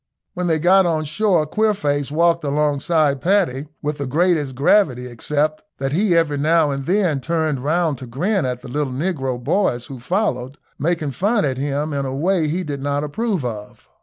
When they got on shore Queerface walked alongside Paddy with the greatest gravity, except that he every now and then turned round to grin at the little negro boys who followed, making fun at him in a way he did not approve of.